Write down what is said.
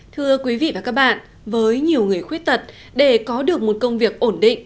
thưa quý vị và các bạn với nhiều người khuyết tật để có được một công việc ổn định